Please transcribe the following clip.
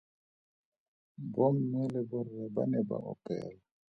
Bomme le borre ba ne ba opela.